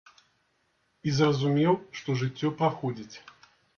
І зразумеў, што жыццё праходзіць.